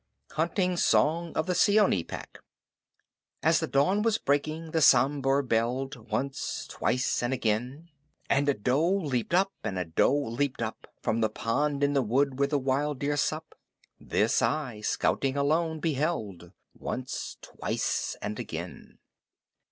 Hunting Song of the Seeonee Pack As the dawn was breaking the Sambhur belled Once, twice and again! And a doe leaped up, and a doe leaped up From the pond in the wood where the wild deer sup. This I, scouting alone, beheld, Once, twice and again!